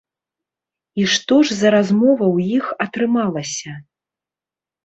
І што ж за размова ў іх атрымалася?